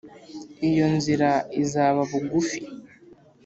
iyo nzira izaba bugufi.